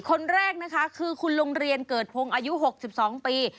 คนแรกนะคะคือคุณลุงเรียนเกิดพงศ์อายุ๖๒ปี